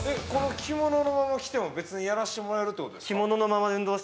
◆着物のまま来ても、別にやらしてもらえるってことですか。